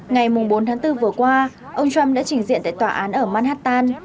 ngày bốn tháng bốn vừa qua ông trump đã trình diện tại tòa án ở manhattan